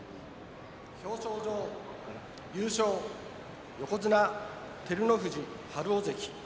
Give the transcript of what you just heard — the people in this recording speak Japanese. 表彰状、優勝横綱照ノ富士春雄関